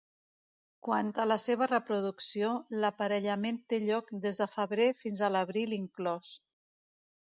Quant a la seva reproducció, l'aparellament té lloc des de febrer fins a l'abril inclòs.